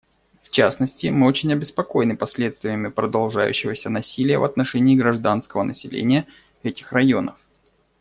В частности, мы очень обеспокоены последствиями продолжающегося насилия в отношении гражданского населения этих районов.